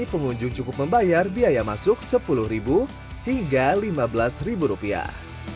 pengunjung cukup membayar biaya masuk sepuluh hingga lima belas rupiah